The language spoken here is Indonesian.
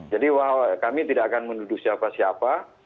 jadi kami tidak akan menduduh siapa siapa